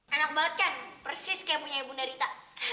anak banget kan persis kayak punya ibu narita